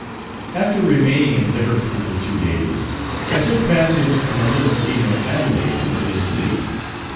After remaining in Liverpool two days, I took passage in the little steamer Adelaide for this city.